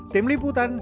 tim liputan cnn news